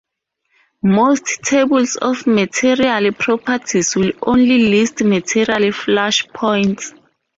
Most tables of material properties will only list material flash points.